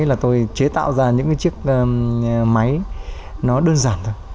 là tôi chế tạo ra những cái chiếc máy nó đơn giản thôi